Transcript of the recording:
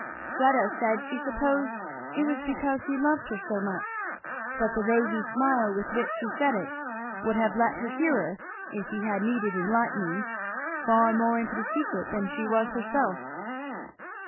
Fleda said she supposed it was because he loved her so much; but the rosy smile with which she said it would have let her hearer, if he had needed enlightening, far more into the secret than she was herself.